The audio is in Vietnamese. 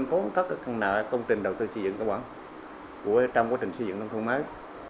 trong quá trình xây dựng nông thôn mới